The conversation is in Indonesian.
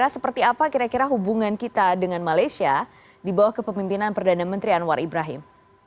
seperti apa kira kira hubungan kita dengan malaysia di bawah kepemimpinan perdana menteri anwar ibrahim